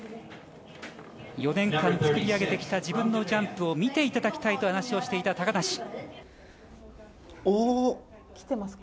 ４年間作り上げてきた自分のジャンプを見ていただきたいと話をしていた高梨。